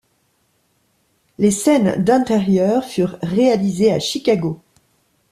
Les scènes d'intérieur furent réalisées à Chicago.